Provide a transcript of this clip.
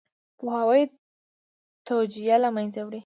پوهاوی توجیه له منځه وړي.